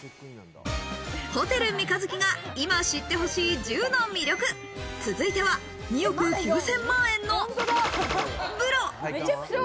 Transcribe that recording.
ホテル三日月が今知って欲しい１０の魅力、続いては２億９０００万円の風呂。